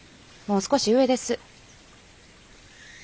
もう少し上です。